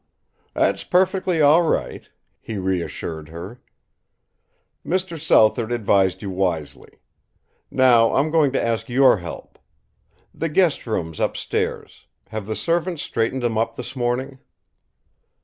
"That's perfectly all right," he reassured her. "Mr. Southard advised you wisely. Now, I'm going to ask your help. The guest rooms upstairs have the servants straightened them up this morning?"